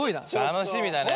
楽しみだね。